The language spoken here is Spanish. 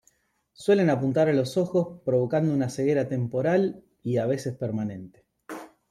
Suelen apuntar a los ojos provocando una ceguera temporal, y a veces permanente.